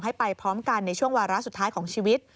ให้ไปพร้อมกันในช่วงวาระสุดท้ายของชีวิต